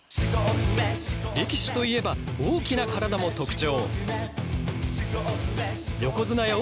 力士といえば大きな体も特徴。